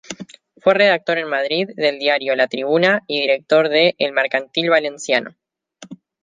Fue redactor en Madrid del diario "La Tribuna" y director de "El Mercantil Valenciano".